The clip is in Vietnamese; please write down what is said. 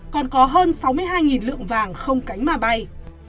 còn có hơn sáu mươi hai lượng vàng không cánh mà bay